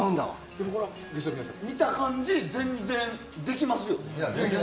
でも、見た感じ全然できますよね。